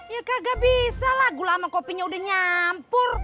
ya kagak bisa lagu lama kopinya udah nyampur